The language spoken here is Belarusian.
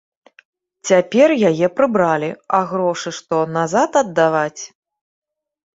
Цяпер яе прыбралі, а грошы што, назад аддаваць?